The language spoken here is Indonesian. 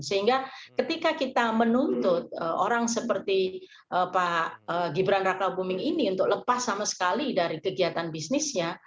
sehingga ketika kita menuntut orang seperti pak gibran raka buming ini untuk lepas sama sekali dari kegiatan bisnisnya